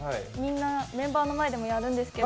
メンバーの前でもやるんですけど。